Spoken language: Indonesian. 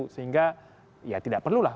sehingga ya tidak perlulah